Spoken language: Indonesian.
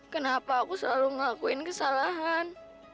kenapa aku selalu ngelakuin kesalahan